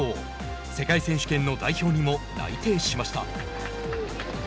世界選手権の代表にも内定しました。